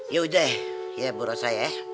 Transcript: yaudah ya berusaha ya